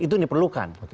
itu yang diperlukan